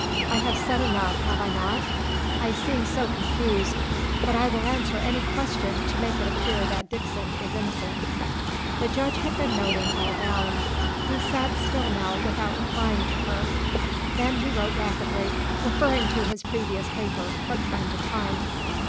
I have said enough, have I not? I seem so confused. But I will answer any question to make it appear that Dixon is innocent." The judge had been noting all down. He sat still now without replying to her. Then he wrote rapidly, referring to his previous paper, from time to time.